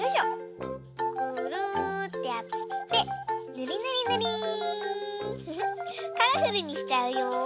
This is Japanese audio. ぐるってやってぬりぬりぬり。フフ。カラフルにしちゃうよ。